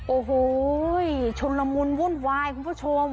โอ้โหชุนละมุนวุ่นวายคุณผู้ชม